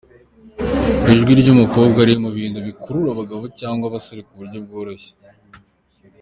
Ijwi ry’umukobwa riri mu bintu bikurura abagabo cyangwa abasore ku buryo bworoshye.